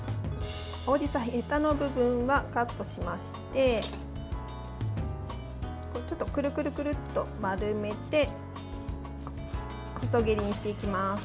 青じそ、へたの部分はカットしましてちょっとくるくるくるっと丸めて細切りにしていきます。